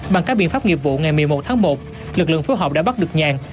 bằng các biện pháp nghiệp vụ ngày một mươi một tháng một lực lượng phối hợp đã bắt được nhàn